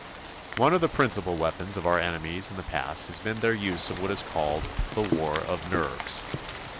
One of the principal weapons of our enemies in the past has been their use of what is called "The War of Nerves."